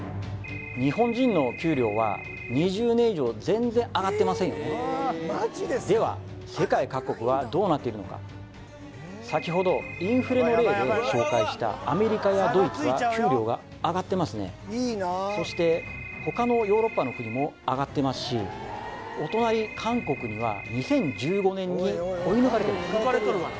日本人の給料は２０年以上全然上がってませんよねでは世界各国はどうなっているのか先ほどインフレの例で紹介したアメリカやドイツは給料が上がってますねそして他のヨーロッパの国も上がってますしお隣韓国には２０１５年に追い抜かれてます